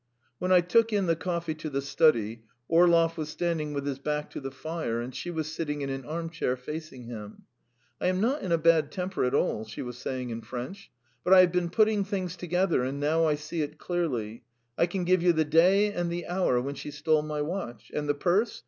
When I took in the coffee to the study, Orlov was standing with his back to the fire and she was sitting in an arm chair facing him. "I am not in a bad temper at all," she was saying in French. "But I have been putting things together, and now I see it clearly. I can give you the day and the hour when she stole my watch. And the purse?